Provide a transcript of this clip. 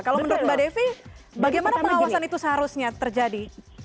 kalau menurut mbak devi bagaimana pengawasan itu seharusnya terjadi